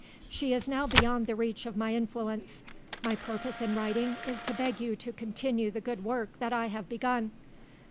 "She is now beyond the reach of my influence. My purpose in writing is to beg you to continue the good work that I have begun.